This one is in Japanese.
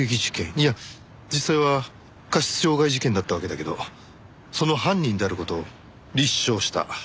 いや実際は過失傷害事件だったわけだけどその犯人である事を立証した。